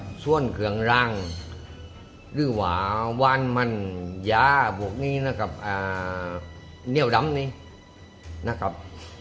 เพราะส่วนเขือุงรางลิ้วหวานมันยาพวกนี้นะครับเเนี๊ยวดำนี้นะครับ